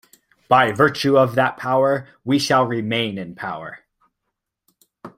By virtue of that power we shall remain in power.